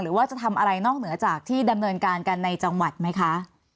หรือว่าจะทำอะไรนอกเหนือจากที่ดำเนินการกันในจังหวัดไหมคะ